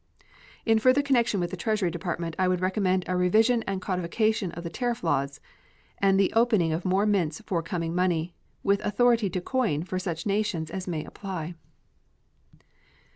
In further connection with the Treasury Department I would recommend a revision and codification of the tariff laws and the opening of more mints for coming money, with authority to coin for such nations as may apply.